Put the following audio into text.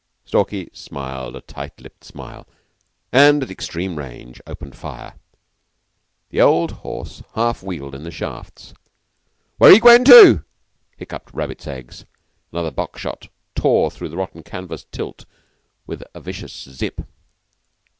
Stalky smiled a tight lipped smile, and at extreme range opened fire: the old horse half wheeled in the shafts. "Where he gwaine tu?" hiccoughed Rabbits Eggs. Another buckshot tore through the rotten canvas tilt with a vicious zipp.